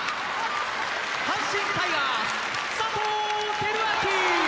阪神タイガース・佐藤輝明。